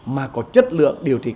mà có chất lượng điều trị cao